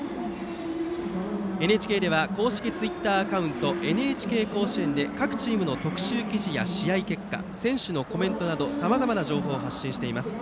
ＮＨＫでは公式ツイッターアカウント「ＮＨＫ甲子園」で各チームの特集記事や試合結果選手のコメントなどさまざまな情報を発信しています。